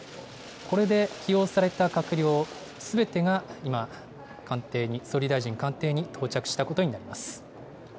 これで起用された閣僚すべてが今、官邸に、総理大臣官邸に到着したことになります。